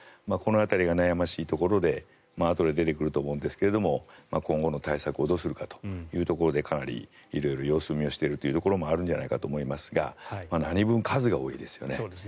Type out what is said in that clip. この辺りが悩ましいところであとで出てくると思うんですが今後の対策をどうするかというところでかなり色々様子見をしているところもあるんじゃないかと思いますが何分、数が多いですよね。